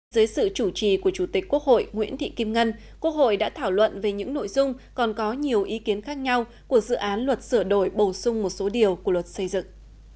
dưới sự chủ trì của chủ tịch quốc hội nguyễn thị kim ngân quốc hội đã thảo luận về những nội dung còn có nhiều ý kiến khác nhau của dự án luật sửa đổi bổ sung một số điều của luật xây dựng